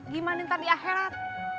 gimana ntar di akhirat